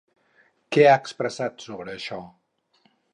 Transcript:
Què ha expressat sobre això?